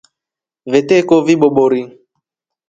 Veeteko vibobori.